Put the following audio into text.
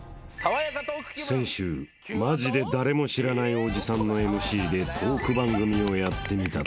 ［先週マジで誰も知らないオジさんのＭＣでトーク番組をやってみたところ］